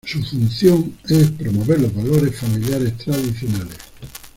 Su función es promover los valores familiares tradicionales.